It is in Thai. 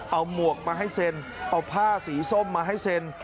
เอาหมวกมาให้เซ็นเอาผ้าสีส้มมาให้เซ็น